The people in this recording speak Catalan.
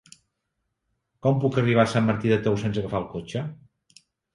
Com puc arribar a Sant Martí de Tous sense agafar el cotxe?